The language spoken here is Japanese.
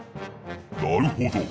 なるほど。